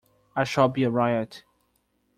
I shall be a riot.